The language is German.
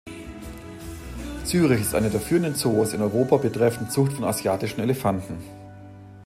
Zürich ist einer der führenden Zoos in Europa betreffend Zucht von Asiatischen Elefanten.